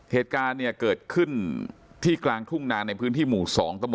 เหตุการณ์เนี่ยเกิดขึ้นที่กลางทุ่งนาในพื้นที่หมู่๒ตะม